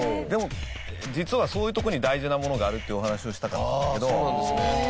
でも実はそういうとこに大事なものがあるっていうお話をしたかったんですけど。